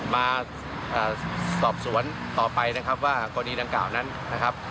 มาสอบสวนต่อไปนะครับว่ากรณีดังกล่าวนั้นนะครับ